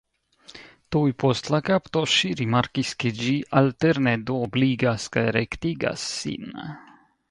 Tuj post la kapto ŝi rimarkis ke ĝi alterne duobligas kaj rektigas sin.